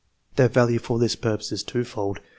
Their value for this purpose is twofold.